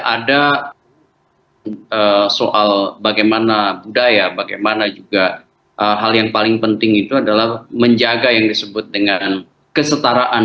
ada soal bagaimana budaya bagaimana juga hal yang paling penting itu adalah menjaga yang disebut dengan kesetaraan